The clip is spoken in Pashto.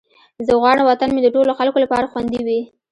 زه غواړم وطن مې د ټولو خلکو لپاره خوندي وي.